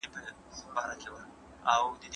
د لیکوالو تلینونه باید په هر ځای کې یاد شي.